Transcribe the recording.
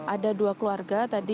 ada dua keluarga tadi